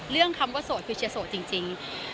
คำว่าโสดคือเชียร์โสดจริง